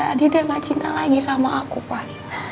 adi udah gak cinta lagi sama aku pak